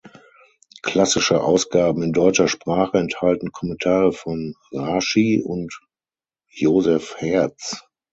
Klassische Ausgaben in deutscher Sprache enthalten Kommentare von Raschi und Joseph Hertz.